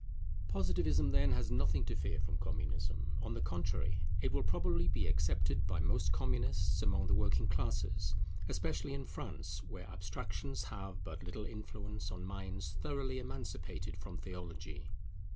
Positivism, then, has nothing to fear from Communism; on the contrary, it will probably be accepted by most Communists among the working classes, especially in France where abstractions have but little influence on minds thoroughly emancipated from theology.